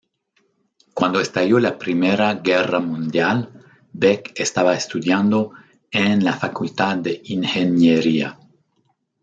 Cuando estalló la Primera Guerra Mundial Beck estaba estudiando en la facultad de ingeniería.